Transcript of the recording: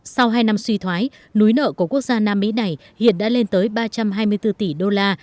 sau hai năm suy thoái núi nợ của quốc gia nam mỹ này hiện đã lên tới ba trăm hai mươi bốn tỷ đô la